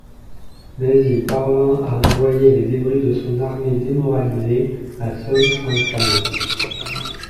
Mais il parvint à envoyer les débris de son armée démoralisée à Sun Chuanfang.